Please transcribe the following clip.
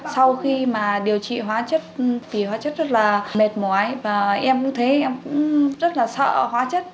sau khi mà điều trị hóa chất thì hóa chất rất là mệt mỏi và em cũng thấy em cũng rất là sợ hóa chất